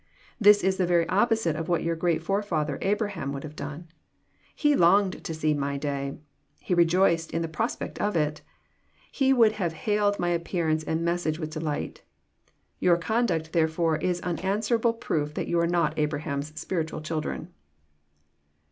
This is the very opposite of what your great forefather Abraham would have done. He longed to see My day. He rejoiced in the prospect of it. He would have hailed My appearance and message with delight. Your conduct, therefore, is an unanswerable proof that you are not Abraham's spiritual children."